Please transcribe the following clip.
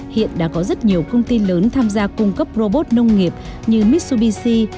hiện đã có rất nhiều công ty lớn tham gia cung cấp robot nông nghiệp như mitsubishi